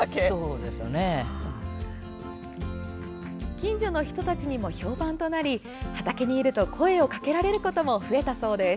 近所の人たちにも評判となり畑にいると声をかけられることも増えたそうです。